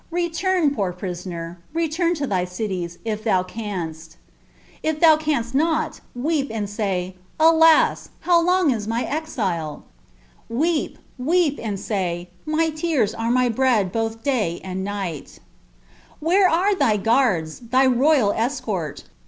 H«a^ poor prisoner — return to thy cities, if ihnn cnn«t; ond if thou cwMoaf weep and say, 'Alas! how long is uiyexjle!' Weep, weep, and iq^ ' My tears are my bread both day anil nig'ht^ "" Where are thy guards, thy royal escort?